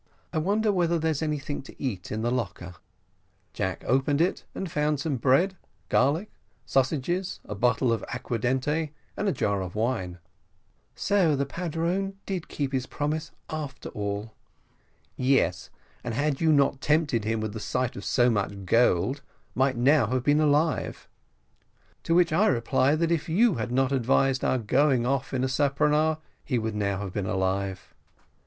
I wonder whether there is anything to eat in the locker?" Jack opened it, and found some bread, garlic, sausages, a bottle of aquadente, and a jar of wine. "So the padrone did keep his promise, after all." "Yes, and had you not tempted him with the sight of so much gold, might now have been alive." "To which I reply, that if you had not advised our going off in a speronare, he would now have been alive."